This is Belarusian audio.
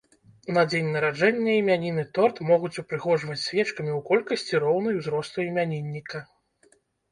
На дзень нараджэння імянінны торт могуць упрыгожваць свечкамі ў колькасці, роўнай узросту імянінніка.